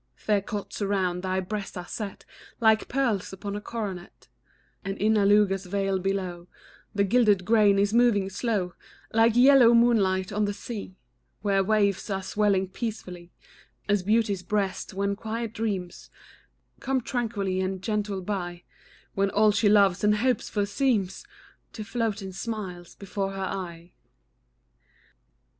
Fair cots around thy breast are set, Like pearls upon a coronet; And in Aluga's vale below The gilded grain is moving slow Like yellow moonlight on the sea, Where waves are swelling peacefully; As beauty's breast, when quiet dreams Come tranquilly and gently by; When all she loves and hopes for seems To float in smiles before her eye.